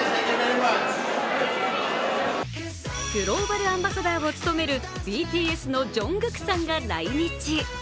グローバルアンバサダーを務めるＢＴＳのＪＵＮＧＫＯＯＫさんが来日。